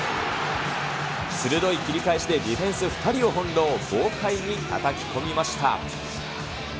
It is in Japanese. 鋭い切り返しで、ディフェンス２人を翻弄、豪快にたたき込みました。